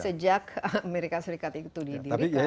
sejak amerika serikat itu didirikan